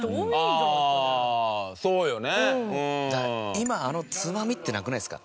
今あのツマミってなくないですか？